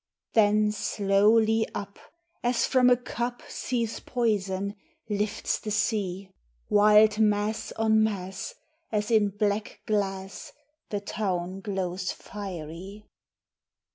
Then slowly up as from a cup Seethes poison lifts the sea; Wild mass on mass, as in black glass, The town glows fiery.